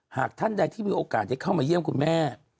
หากท่านใดที่มีโอกาสได้เข้ามาเยี่ยมคุณแม่